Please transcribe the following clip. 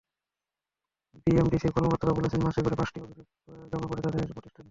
বিএমডিসির কর্মকর্তারা বলছেন, মাসে গড়ে পাঁচটি অভিযোগ জমা পড়ে তাঁদের প্রতিষ্ঠানে।